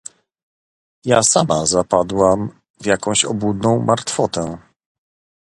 "Ja sama zapadłam w jakąś obłudną martwotę."